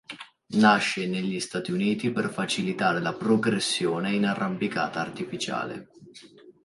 Nasce negli Stati Uniti per facilitare la progressione in arrampicata artificiale.